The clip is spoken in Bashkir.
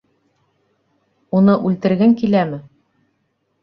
Уны үлтергең киләме?